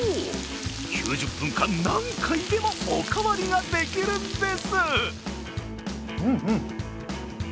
９０分間、何回でもおかわりができるんです。